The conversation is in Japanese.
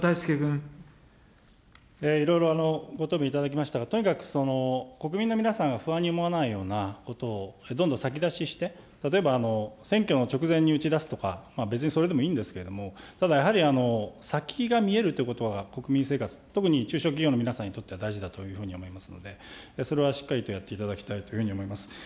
いろいろご答弁いただきましたが、とにかく国民の皆さんが不安に思わないようなことをどんどん先出しして、例えば選挙の直前に打ち出すとか、別にそれでもいいんですけれども、ただやはり、先が見えるということは国民生活、特に中小企業の皆さんにとっては大事だというふうに思いますので、それはしっかりとやっていただきたいというふうに思います。